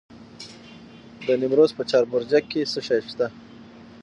د نیمروز په چاربرجک کې څه شی شته؟